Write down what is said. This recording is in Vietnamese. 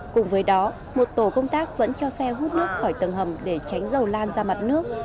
cùng với đó một tổ công tác vẫn cho xe hút nước khỏi tầng hầm để tránh dầu lan ra mặt nước